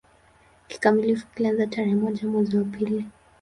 Kikamilifu kilianza tarehe moja mwezi wa pili